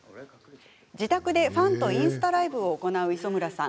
自宅でファンとインスタライブを行う磯村さん。